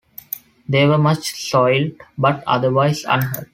They were much soiled, but otherwise unhurt.